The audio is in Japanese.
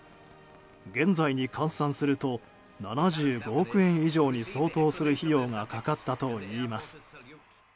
現在に換算すると７５億円以上に相当する費用がかかったといいます。